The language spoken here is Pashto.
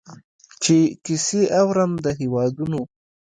چي کیسې اورم د هیوادونو